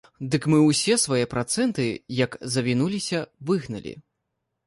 Дык мы ўсе свае працэнты, як завінуліся, выгналі.